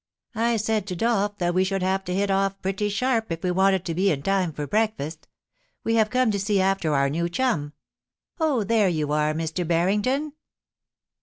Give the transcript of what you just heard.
I said to Dolph that we should have to hit off pretty sharp if we wanted to be in time for break fast We have come to see after our new chum — oh, there you are, Mr. Barrington